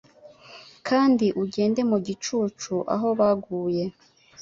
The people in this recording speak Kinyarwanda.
Kandi ugende mu gicucu aho baguye,